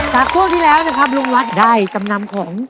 ช่วงที่แล้วนะครับลุงวัดได้จำนำของ